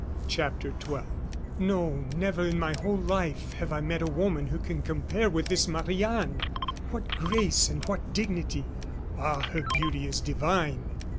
CHAPTER XII "No, never in my whole life have I met a woman who can compare with this Marie Anne! What grace and what dignity! Ah! her beauty is divine!"